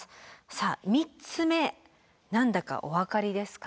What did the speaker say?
さあ３つ目何だかお分かりですか？